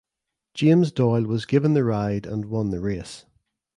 James Doyle was given the ride and won the race.